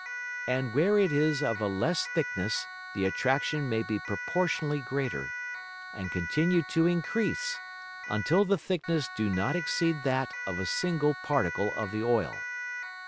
And where it is of a less thickness the Attraction may be proportionally greater, and continue to increase, until the thickness do not exceed that of a single Particle of the Oil.